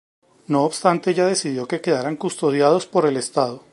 No obstante ella decidió que quedaran custodiados por el estado.